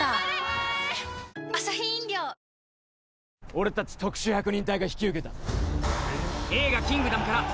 俺たち特殊百人隊が引き受けた。